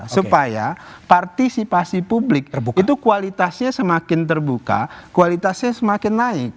supaya partisipasi publik itu kualitasnya semakin terbuka kualitasnya semakin naik